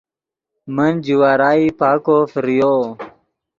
من جوارائی پاکو فریو